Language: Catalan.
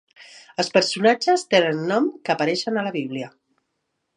Els personatges tenen noms que apareixen a la Bíblia.